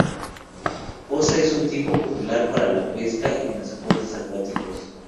Ossa es un sitio popular para la pesca y los deportes acuáticos.